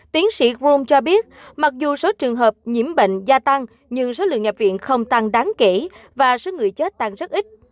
tiến sĩ grome cho biết mặc dù số trường hợp nhiễm bệnh gia tăng nhưng số lượng nhập viện không tăng đáng kể và số người chết tăng rất ít